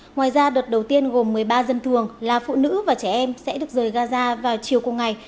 ngoài ra đợt đầu tiên gồm một mươi ba dân thường là phụ nữ và trẻ em sẽ được rời gaza vào chiều cùng ngày